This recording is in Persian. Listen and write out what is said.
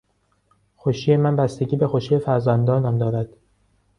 خوشی من بستگی به خوشی فرزندانم دارد.